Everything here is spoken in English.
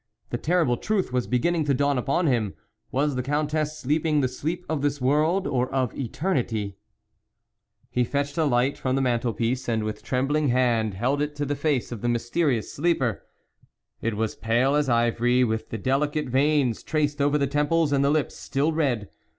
The terrible truth was beginning to dawn upon him ; was the Countess sleeping the sleep of this world or of eternity ? He fetched a light from the mantel piece, and with trembling hand, held it to the face of the mysterious sleeper. It was pale as ivory, with the delicate veins traced over the temples, and the lips still red.